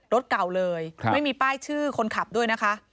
รถเก่าเลยไม่มีป้ายชื่อคนขับด้วยนะคะ